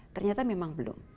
ternyata memang belum